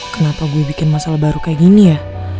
kenapa gue bikin masalah baru kayak gini ya